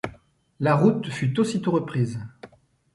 La route fut aussitôt reprise.